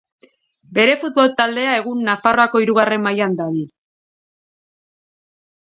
Bere futbol taldea egun Nafarroako Hirugarren Mailan dabil.